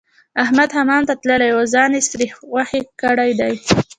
احمد حمام ته تللی وو؛ ځان يې سرې غوښې کړی دی.